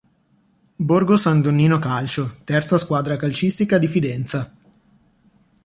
Borgo San Donnino Calcio, terza squadra calcistica di Fidenza.